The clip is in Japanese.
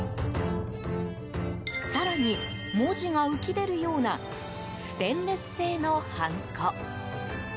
更に、文字が浮き出るようなステンレス製のハンコ。